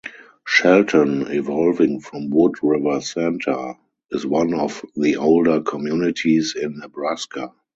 Shelton, evolving from Wood River Centre, is one of the older communities in Nebraska.